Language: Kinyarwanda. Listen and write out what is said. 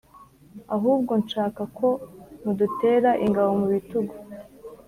ahubwo nshaka ko mudutera ingabo mubitugu